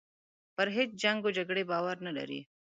پر هیچ جنګ و جګړې باور نه لري.